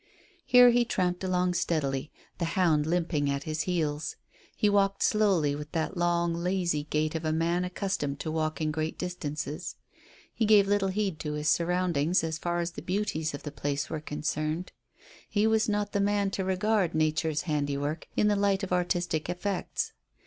Here he tramped along steadily, the hound limping at his heels. He walked slowly, with that long, lazy gait of a man accustomed to walking great distances. He gave little heed to his surroundings as far as the beauties of the place were concerned. He was not the man to regard Nature's handiwork in the light of artistic effects.